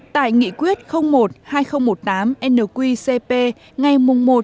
tại nghị quyết một hai nghìn một mươi tám nqcp ngày một một hai nghìn hai mươi